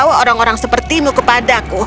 kau menjaga orang orang seperti kamu